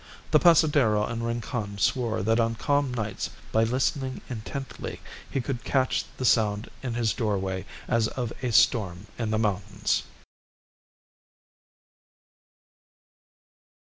The pasadero in Rincon swore that on calm nights, by listening intently, he could catch the sound in his doorway as of a storm in the mountains.